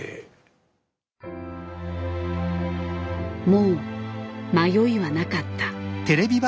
もう迷いはなかった。